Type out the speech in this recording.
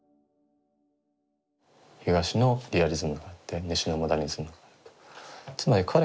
東のリアリズムがあって西のモダニズムがあると。